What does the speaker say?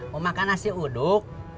mau makan nasi uduk